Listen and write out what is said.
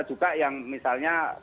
ada juga yang misalnya ppkm mikro ketua